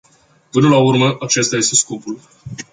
Până la urmă, acesta este scopul.